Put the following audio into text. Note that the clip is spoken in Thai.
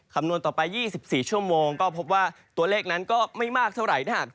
คำนวณต่อไป๒๔ชั่วโมงก็พบว่าตัวเลขนั้นก็ไม่มากเท่าไหร่